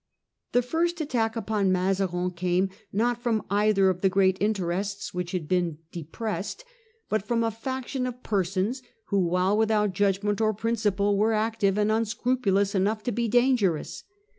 The first attack upon Mazarin came, not from either of the great interests which had been depressed, but B t from a faction of persons who, while with and'the'im out judgment or principle, were active and portants. ' unscrupulous enough to be dangerous.